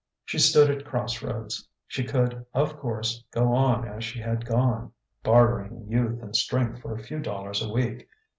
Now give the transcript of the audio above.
She stood at crossroads. She could, of course, go on as she had gone bartering youth and strength for a few dollars a week.